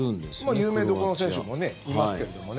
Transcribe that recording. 有名どころの選手もいますけれどもね。